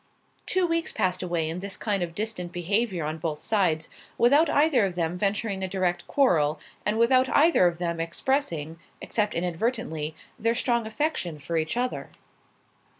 Two weeks passed away in this kind of distant behaviour on both sides, without either of them venturing a direct quarrel, and without either of them expressing (except inadvertently) their strong affection for each other.